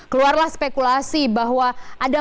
keluarlah spekulasi bahwa ada